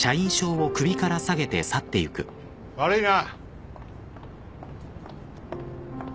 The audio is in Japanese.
悪いな。